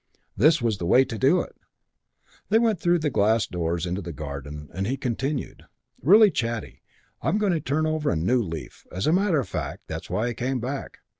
This was the way to do it! They went through the glass doors into the garden and he continued, "Really chatty. I'm going to turn over a new leaf. As a matter of fact, that's why I came back.